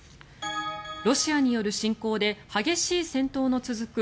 ロシアによる侵攻で激しい戦闘の続く